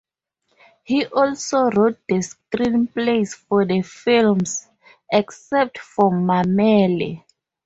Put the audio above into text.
He also wrote the screenplays for the films, except for "Mamele".